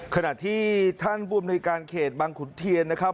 ขณะที่ท่านภูมิในการเขตบังขุนเทียนนะครับ